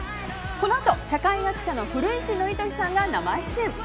このあと社会学者の古市憲寿さんが生出演。